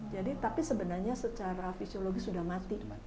jadi tapi sebenarnya secara fisiologis sudah mati